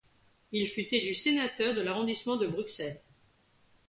Il fut élu sénateur de l'arrondissement de Bruxelles.